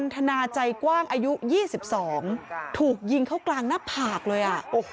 ถูกยิงเข้ากลางหน้าผากเลยอ่ะ